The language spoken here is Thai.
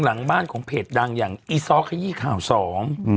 หลังบ้านของเพจดังอย่างอีซ้อขยี้ข่าวสองอืม